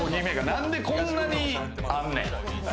なんで、こんなにあんねん！